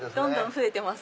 増えてます